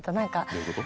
どういうこと？